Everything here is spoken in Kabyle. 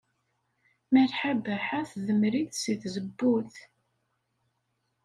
Malḥa Baḥa tdemmer-it seg tzewwut.